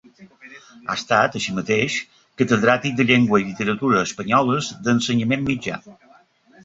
Ha estat, així mateix, catedràtic de Llengua i Literatura Espanyoles d'Ensenyament Mitjà.